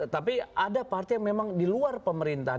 tapi ada partai yang memang di luar pemerintahan